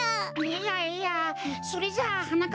いやいやそれじゃあはな